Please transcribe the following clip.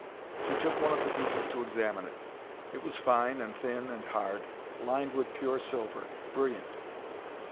He took one of the pieces to examine it. It was fine and thin and hard, lined with pure silver, brilliant.